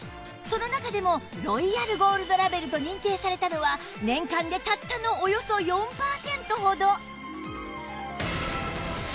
その中でもロイヤルゴールドラベルと認定されたのは年間でたったのおよそ４パーセントほど